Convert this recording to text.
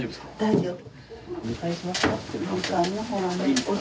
大丈夫。